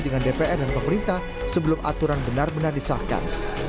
dengan dpr dan pemerintah sebelum aturan benar benar disahkan